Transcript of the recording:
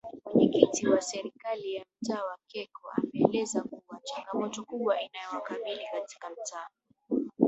Mwenyekiti wa Serikali ya mtaa wa Keko ameeleza kuwa changamoto kubwa inayowakabili katika mtaa